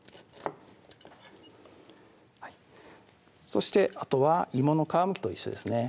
そしてあとは芋の皮むきと一緒ですね